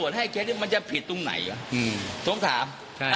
ว่ามันจะผิดตรงไหนวะสงสาม